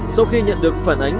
sau khi nhận được phản ánh